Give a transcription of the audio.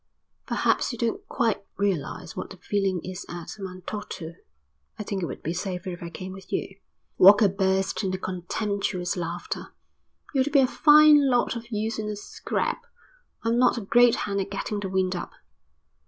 "Perhaps you don't quite realise what the feeling is at Matautu. I think it would be safer if I came with you." Walker burst into contemptuous laughter. "You'd be a fine lot of use in a scrap. I'm not a great hand at getting the wind up."